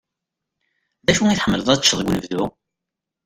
D acu i tḥemmleḍ ad t-teččeḍ deg unebdu?